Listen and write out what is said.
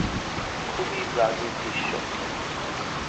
খুবই বাজে দৃশ্য।